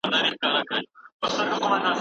سندي څېړنه تر خپلواکې څيړني سخته ده.